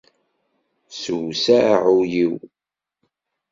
Ssewseɛ ul-iw!